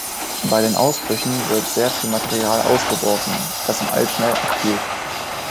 Bei den Ausbrüchen wird sehr viel Material ausgeworfen, das im All schnell abkühlt.